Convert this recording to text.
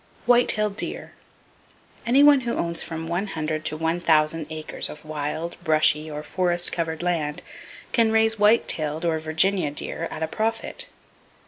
White tailed Deer.—Any one who owns from one hundred to one thousand acres of wild, brushy or forest covered land can raise white tailed (or Virginia) deer at a profit.